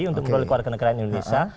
untuk mendorong warga negara indonesia